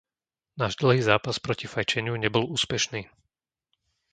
Náš dlhý zápas proti fajčeniu nebol neúspešný.